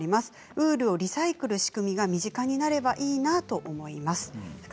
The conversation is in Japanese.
ウールをリサイクルする仕組みが身近になればいいなと思います。